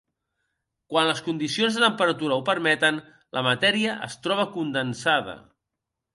Quan les condicions de temperatura ho permeten la matèria es troba condensada.